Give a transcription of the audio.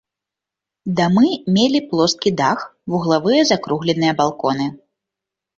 Дамы мелі плоскі дах, вуглавыя закругленыя балконы.